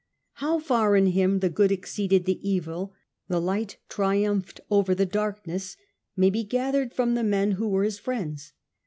How far in him the good exceeded the evil, the light triumphed over the darkness, may be gathered from the men who were his friends.